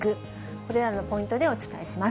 これらのポイントでお伝えします。